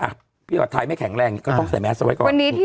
อ่ะพี่หวัดไทยไม่แข็งแรงก็ต้องใส่แมสเอาไว้ก่อนวันนี้ที่